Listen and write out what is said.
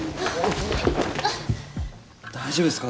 大丈夫ですか？